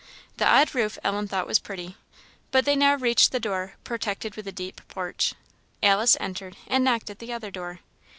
The odd roof Ellen thought was pretty. But they now reached the door, protected with a deep porch. Alice entered, and knocked at the other door.